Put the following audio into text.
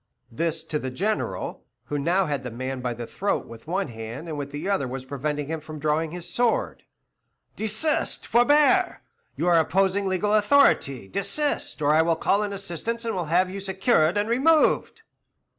This to the General, who now had the man by the throat with one hand and with the other was preventing him from drawing his sword. "Desist forbear! You are opposing legal authority; desist, or I will call in assistance and will have you secured and removed."